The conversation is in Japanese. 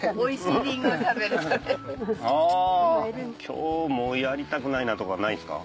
今日もうやりたくないなとかないですか？